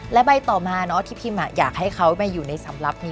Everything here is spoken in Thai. และใบต่อมาที่พิมอยากให้เขาอยู่ในสำหรับนี้